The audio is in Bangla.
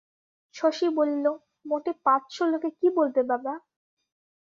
শশী বলিল, মোটে পাঁচশো লোকে কী বলবে বাবা?